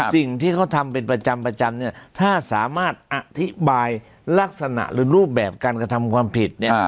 สิ่งที่เขาทำเป็นประจำเนี่ยถ้าสามารถอธิบายลักษณะหรือรูปแบบการกระทำความผิดเนี่ย